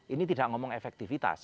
ini tidak ngomong efektivitas